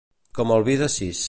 Com el vi de sis.